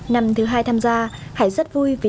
năm thứ hai tham gia hải rất vui vì